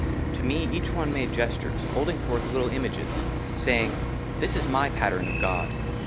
TO ME EACH ONE MADE GESTURES, HOLDING FORTH LITTLE IMAGES, SAYING, " THIS IS MY PATTERN OF GOD.